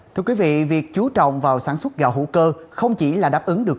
thưa quý vị việc chú trọng vào sản xuất gạo hữu cơ không chỉ là đáp ứng được